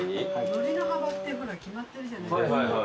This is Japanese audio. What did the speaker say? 海苔の幅って決まってるじゃないですか。